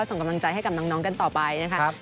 ส่งกำลังใจให้กับน้องกันต่อไปนะคะ